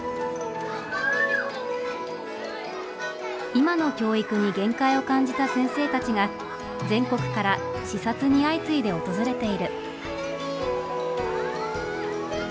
今の教育に限界を感じた先生たちが全国から視察に相次いで訪れている。